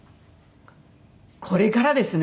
これからですね。